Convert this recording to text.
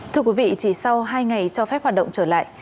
thưa quý vị chỉ sau hai ngày cho phép hoạt động trở lại